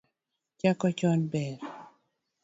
Chako chon ber